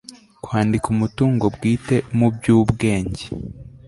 kwandika umutungo bwite mu by ubwenge